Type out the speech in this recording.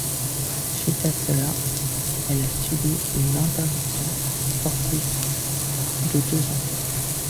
Suite à cela, elle a subi une interdiction sportive de deux ans.